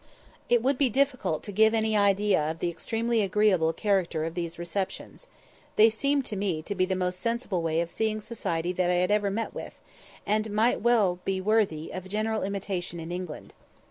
It would be difficult to give any idea of the extremely agreeable character of these receptions. They seemed to me to be the most sensible way of seeing society that I ever met with, and might be well worthy of general imitation in England.